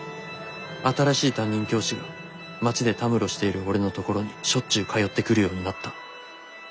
新しい担任教師が街でたむろしている俺のところにしょっちゅう通ってくるようになった。